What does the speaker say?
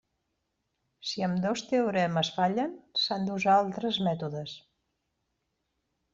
Si ambdós teoremes fallen, s'han d'usar altres mètodes.